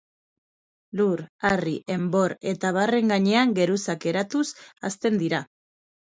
Lur, harri, enbor eta abarren gainean geruzak eratuz hazten dira.